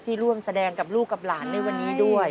ร่วมแสดงกับลูกกับหลานในวันนี้ด้วย